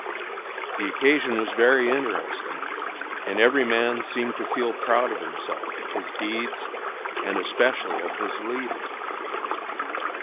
The occasion was very interesting, and every man seemed to feel proud of himself, his deeds, and especially of his leader.